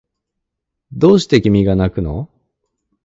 どうして君がなくの